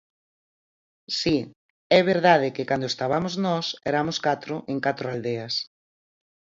Si, é verdade que cando estabamos nós eramos catro en catro aldeas.